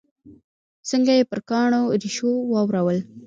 څنګه یې پر کاڼو ریشو واورول.